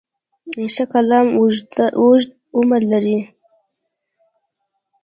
ښه قلم اوږد عمر لري.